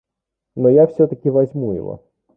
Но я всё-таки возьму его.